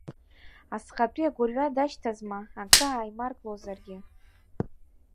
Асҟатәи агәырҩа дашьҭазма, акы ааимарклозаргьы.